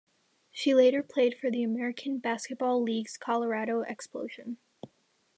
She later played for the American Basketball League's Colorado Xplosion.